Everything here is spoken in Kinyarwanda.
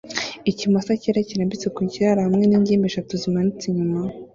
Ikimasa cyera kirambitse ku kiraro hamwe ningimbi eshatu zimanitse inyuma